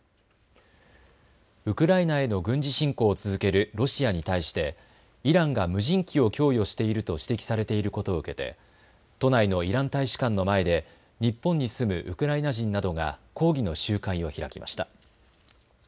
ウクライナへの軍事侵攻を続けるロシアに対してイランが無人機を供与していると指摘されていることを受けて都内のイラン大使館の前で日本に住むウクライナ人などが抗議の集会を開きました。